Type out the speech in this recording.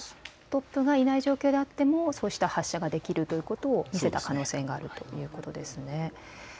トップがいない状況であっても発射ができるということを見せた可能性があるということですね。